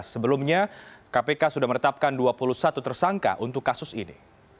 sebelumnya kpk sudah menetapkan dua puluh satu tersangka untuk kasus ini